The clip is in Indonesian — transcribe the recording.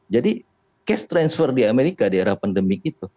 jadi transfer uang di amerika di era pandemi itu